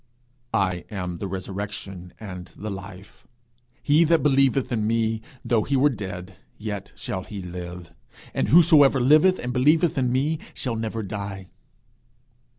'I am the resurrection, and the life: he that believeth in me, though he were dead, yet shall he live. And whosoever liveth, and believeth in me, shall never die.'